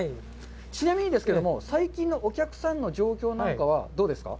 ちなみにですけども最近のお客さんの状況なんかはどうですか。